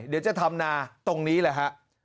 เดี๋ยวจะทำนาตรงนี้แหละฮะ